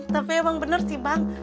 tapi emang bener sih bang